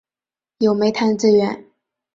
有煤炭资源。